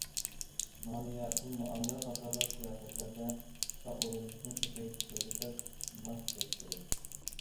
مالىيە، پۇل مۇئامىلە قاتارلىق سىياسەتلەردە ئىشقا ئورۇنلىشىشنى كۆپەيتىشنى چۆرىدەپ ماس كۈچەش كېرەك.